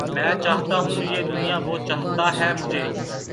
میں چاہتا ہوں یہ دنیا وہ چاہتا ہے مجھے